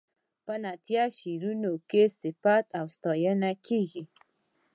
په نعتیه شعرونو کې صفت او ستاینه کیږي.